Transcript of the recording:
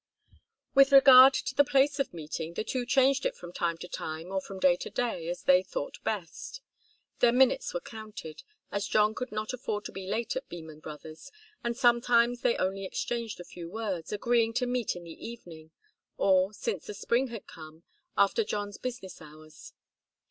With regard to the place of meeting, the two changed it from time to time, or from day to day, as they thought best. Their minutes were counted, as John could not afford to be late at Beman Brothers', and sometimes they only exchanged a few words, agreeing to meet in the evening, or, since the spring had come, after John's business hours.